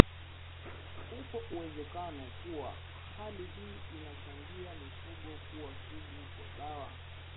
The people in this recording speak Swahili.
upo uwezekano kuwa hali hii inachangia mifugo kuwa sugu kwa dawa